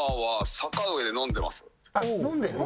あっ飲んでる？